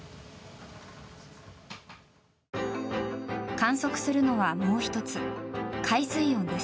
観測するのは、もう１つ海水温です。